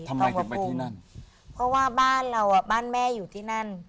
ทำไมที่นั่นเพราะว่าบ้านเราอ่ะบ้านแม่อยู่ที่นั่น